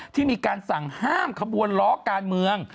ที่มีการสั่งห้ามขบวนล้อการเมือง